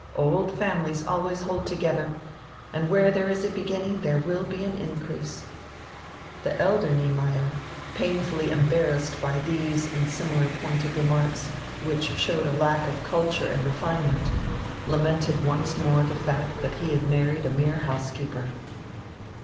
Old families always hold togedier, and where diere is a beginning diere will be an increase." The elder Niemeyer, painfully embarrassed by diese and similar pointed remarks, which showed a lack of culture and refinement, lamented once more die fact diat he had married a mere housekeeper.